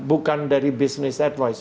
bukan dari business advice